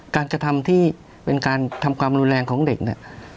กระทำที่เป็นการทำความรุนแรงของเด็กเนี่ย